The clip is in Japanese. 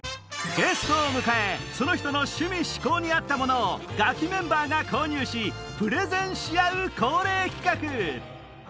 ゲストを迎えその人の趣味嗜好に合ったものをガキメンバーが購入しプレゼンし合う恒例企画